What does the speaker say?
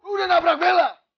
udah nabrak bela